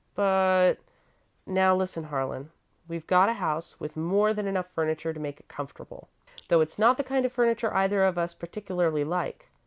"But " "Now, listen, Harlan. We've got a house, with more than enough furniture to make it comfortable, though it's not the kind of furniture either of us particularly like.